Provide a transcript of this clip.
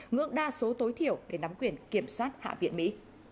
ngưỡng đa số tối thiểu để nắm quyền kiểm soát hạ viện mỹ